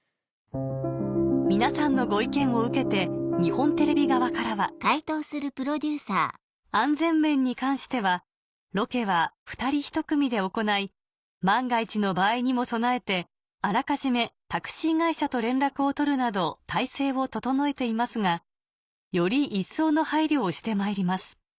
皆さんのご意見を受けて「安全面に関してはロケは２人１組で行い万が一の場合にも備えてあらかじめタクシー会社と連絡を取るなど体制を整えていますがより一層の配慮をしてまいります」